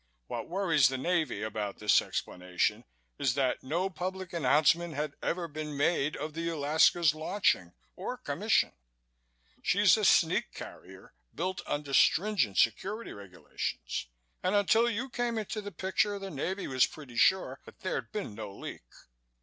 What worries the Navy about this explanation is that no public announcement had ever been made of the Alaska's launching or commission. She's a sneak carrier built under stringent security regulations and until you came into the picture the Navy was pretty sure that there'd been no leak."